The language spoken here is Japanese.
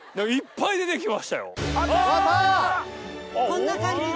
こんな感じです。